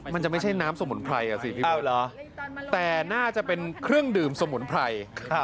มันจะไม่ใช่น้ำสมุนไพรอ่ะสิพี่แต่น่าจะเป็นเครื่องดื่มสมุนไพร